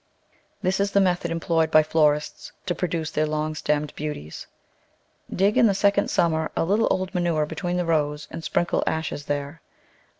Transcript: This is the method em ployed by florists to produce their long stemmed beau ties. Dig in the second summer a little old manure between the rows and sprinkle ashes there.